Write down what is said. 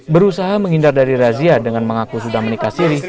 berusaha menghindar dari razia dengan mengaku sudah menikah siri